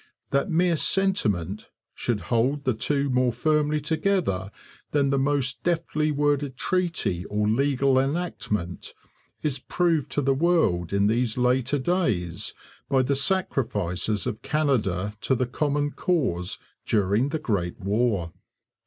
That 'mere sentiment' should hold the two more firmly together than the most deftly worded treaty or legal enactment is proved to the world in these later days by the sacrifices of Canada to the common cause during the Great War.